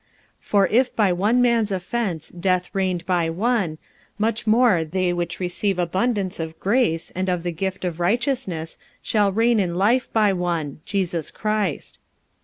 45:005:017 For if by one man's offence death reigned by one; much more they which receive abundance of grace and of the gift of righteousness shall reign in life by one, Jesus Christ.)